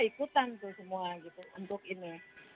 ikutan semua untuk ini